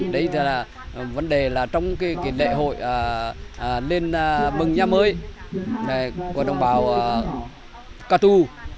đấy là vấn đề là trong cái lễ hội lên mừng nhà mới của đồng bào cà tu